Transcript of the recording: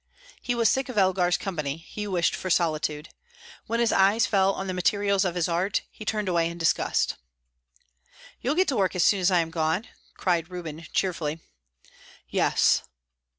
He was sick of Elgar's company; he wished for solitude. When his eyes fell on the materials of his art, he turned away in disgust. "You'll get to work as soon as I'm gone," cried Reuben, cheerfully. "Yes."